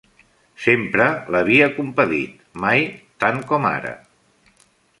Sempre l'havia compadit, mai tant com ara.